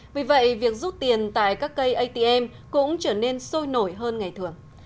vì vậy việc rút tiền tại các cây atm cũng trở nên sôi nổi hơn ngày thường